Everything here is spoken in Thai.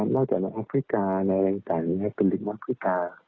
นอกจากว่าแอฟริกาในแรงศาลนี้เป็นลิงก์แอฟริกา